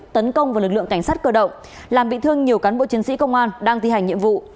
tấn công vào lực lượng cảnh sát cơ động làm bị thương nhiều cán bộ chiến sĩ công an đang thi hành nhiệm vụ